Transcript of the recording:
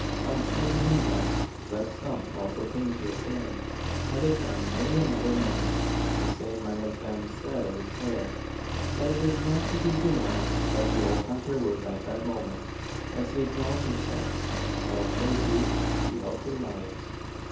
On seeing him thus, Zeb Stump also came to a stand. Had it been many another man, the same might have been said of his hair; and it is not to be denied, that the old hunter was at that moment, as he acknowledged himself, "a spell shaky 'beout the narves."